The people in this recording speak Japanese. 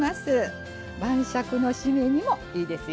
晩酌のシメにもいいですよ。